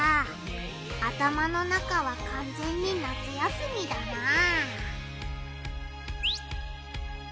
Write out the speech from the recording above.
頭の中はかんぜんに夏休みだなあ。